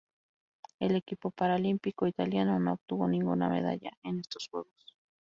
El equipo paralímpico italiano no obtuvo ninguna medalla en estos Juegos.